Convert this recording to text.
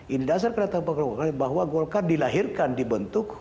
indidasar kerajaan partai golkar bahwa golkar dilahirkan dibentuk